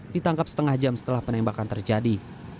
ditangkap setengah jam setelah penembakan terjadi